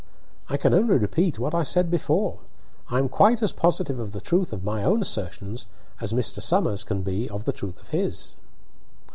"I can only repeat what I said before. I am quite as positive of the truth of my own assertions as Mr. Somers can be of the truth of his."